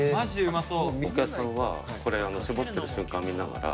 お客さんはこれ搾ってる瞬間見ながら。